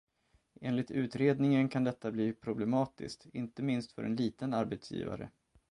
Enligt utredningen kan detta bli problematiskt, inte minst för en liten arbetsgivare.